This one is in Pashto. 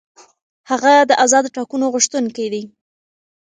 هغه د آزادو ټاکنو غوښتونکی دی.